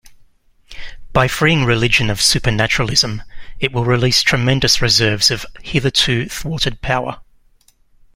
By freeing religion of supernaturalism, it will release tremendous reserves of hitherto thwarted power.